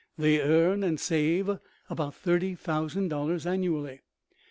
They earn and save about thirty thousand dollars annually.